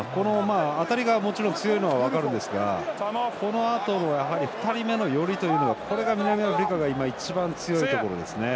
当たりが強いのは分かるんですがこのあとの２人目の寄りというのが南アフリカが今一番強いところですね。